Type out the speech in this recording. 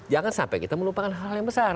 jangan sampai kita melupakan hal hal yang besar